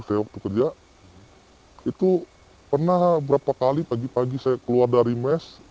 saya waktu kerja itu pernah berapa kali pagi pagi saya keluar dari mes